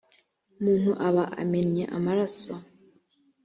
muntu aba amennye amaraso